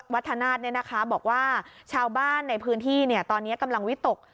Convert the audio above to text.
วัฒนาศบอกว่าชาวบ้านในพื้นที่ตอนนี้กำลังวิตก